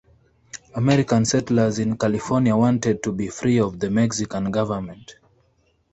American settlers in California wanted to be free of the Mexican government.